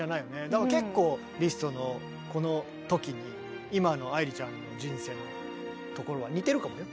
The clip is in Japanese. だから結構リストのこの時に今の愛理ちゃんの人生のところは似てるかもよ。